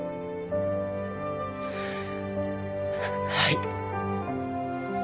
はい。